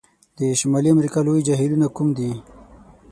د شمالي امریکا لوی جهیلونو کوم دي؟